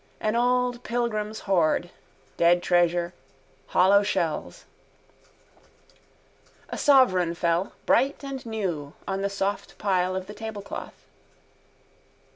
An old pilgrim's hoard, dead treasure, hollow shells. A sovereign fell, bright and new, on the soft pile of the tablecloth.